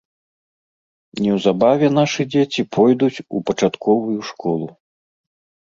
Неўзабаве нашы дзеці пойдуць у пачатковую школу.